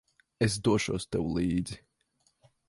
Es došos tev līdzi.